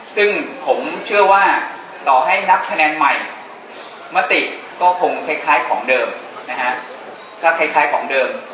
ซึ่งผมเชื่อว่าต่อให้นับคะแนนใหม่มติก็คงคล้ายของเดิม